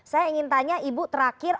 saya ingin tanya ibu terakhir